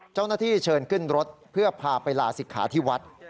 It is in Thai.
เจ้าหน้าที่เชิญขึ้นรถเพื่อพาไปลาศิกขาที่วัด